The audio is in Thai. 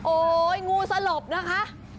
โอ๊ยงูสลบนะคะ